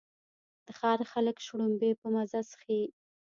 د ښار خلک شړومبې په مزه څښي.